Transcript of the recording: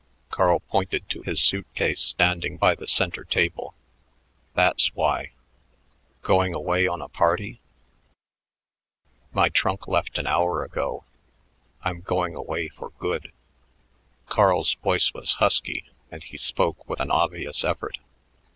Carl pointed to his suit case standing by the center table. "That's why." "Going away on a party?" "My trunk left an hour ago. I'm going away for good." Carl's voice was husky, and he spoke with an obvious effort.